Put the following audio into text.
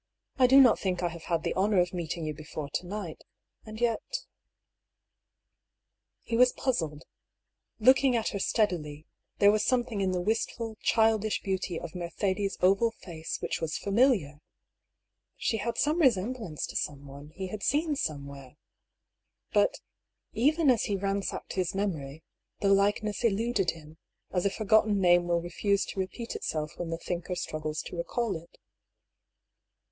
" I do not think I have had the honour of meeting you before to night. And yet " He was puzzled. Looking at her steadily, there was something in the wistful, childish beauty of Mercedes' oval face which was familiar. She had some resemblance to someone he had seen somewhere. But, even as he ran sacked his memory, the likeness eluded him, as a forgot ten name will refuse to repeat itself when the thinker struggles to recall it.